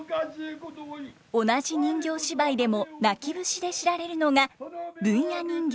同じ人形芝居でも泣き節で知られるのが文弥人形。